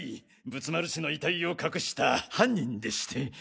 仏丸氏の遺体を隠した犯人でして。